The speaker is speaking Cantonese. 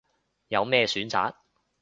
有咩選擇